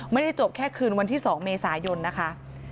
ไม่ได้จบแค่คืนวันที่๒เมษายนนะคะ